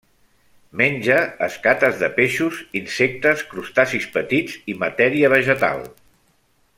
Menja escates de peixos, insectes, crustacis petits i matèria vegetal.